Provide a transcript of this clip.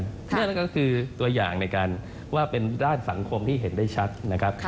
นั่นก็คือตัวอย่างในการว่าเป็นด้านสังคมที่เห็นได้ชัดนะครับ